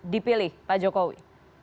dipilih pak jokowi